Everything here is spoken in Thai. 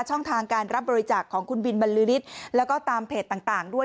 ช่องทางการรับบริจาคของคุณบินบรรลือฤทธิ์แล้วก็ตามเพจต่างด้วย